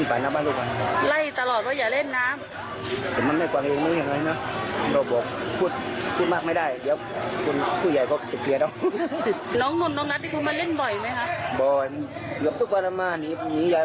อาจจะมาเลยมาเห็นเหตุการณ์แบบนี้